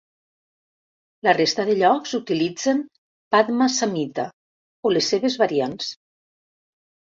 La resta de llocs utilitzen Padma samhita o les seves variants.